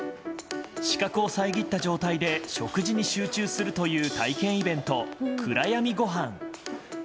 視覚を遮った状態で食事に集中するという体験イベント、暗闇ごはん。